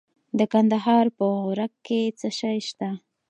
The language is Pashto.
د کندهار په غورک کې څه شی شته؟